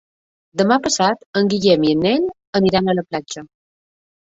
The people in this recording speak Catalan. Demà passat en Guillem i en Nel aniran a la platja.